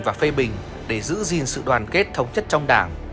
và phê bình để giữ gìn sự đoàn kết thống nhất trong đảng